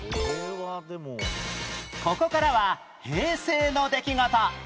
ここからは平成の出来事